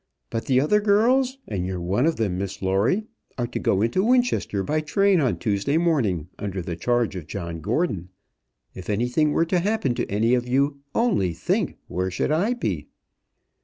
But the other girls and you're one of them, Miss Lawrie are to go into Winchester by train on Tuesday morning, under the charge of John Gordon. If any thing were to happen to any of you, only think, where should I be?"